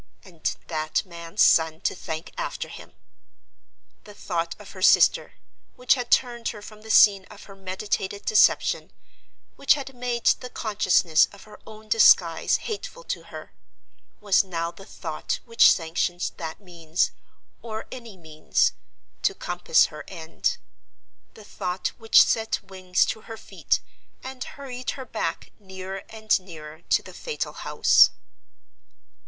—and that man's son to thank after him! The thought of her sister, which had turned her from the scene of her meditated deception, which had made the consciousness of her own disguise hateful to her, was now the thought which sanctioned that means, or any means, to compass her end; the thought which set wings to her feet, and hurried her back nearer and nearer to the fatal house.